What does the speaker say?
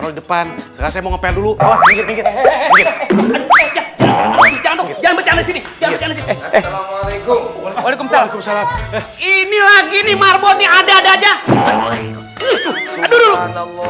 ini lagi nih marbot ada ada aja